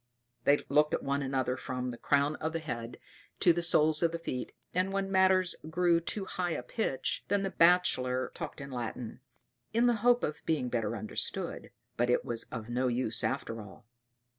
They looked at one another from the crown of the head to the soles of the feet; and when matters grew to too high a pitch, then the Bachelor talked Latin, in the hope of being better understood but it was of no use after all.